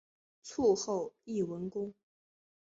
卒后谥文恭。